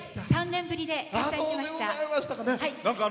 ３年ぶりで開催しました。